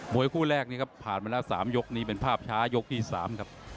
วยคู่แรกนี้ครับผ่านมาแล้ว๓ยกนี้เป็นภาพช้ายกที่๓ครับ